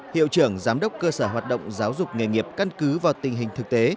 hiệu trưởng giám đốc cơ sở hoạt động giáo dục nghề nghiệp căn cứ vào tình hình thực tế